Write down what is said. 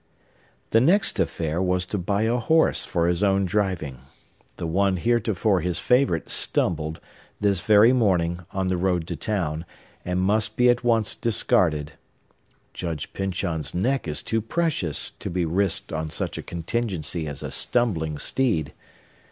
The next affair was to buy a horse for his own driving. The one heretofore his favorite stumbled, this very morning, on the road to town, and must be at once discarded. Judge Pyncheon's neck is too precious to be risked on such a contingency as a stumbling steed.